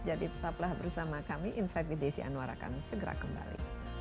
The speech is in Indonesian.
jadi tetaplah bersama kami insight with desi anwar akan segera kembali